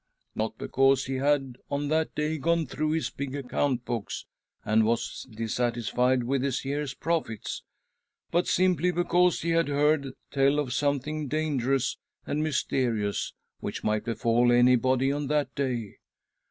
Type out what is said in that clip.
Not because he had on that day gone through his big account books and was dissatisfied with his year's profits, but simply because he had heard tell of something dangerous and mysterious which might befall anybody on that day.